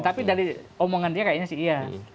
tapi dari omongan dia kayaknya sih iya